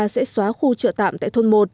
sẽ xóa khu chợ tạm tại thôn một